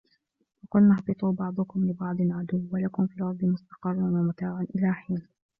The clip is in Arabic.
ۖ وَقُلْنَا اهْبِطُوا بَعْضُكُمْ لِبَعْضٍ عَدُوٌّ ۖ وَلَكُمْ فِي الْأَرْضِ مُسْتَقَرٌّ وَمَتَاعٌ إِلَىٰ حِينٍ